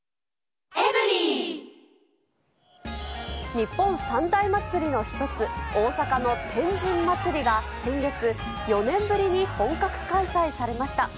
日本三大祭りの一つ、大阪の天神祭が、先月、４年ぶりに本格開催されました。